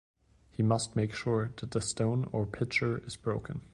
He must make sure that the stone or pitcher is broken.